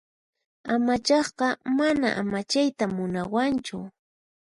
Amachaqqa mana amachayta munawanchu.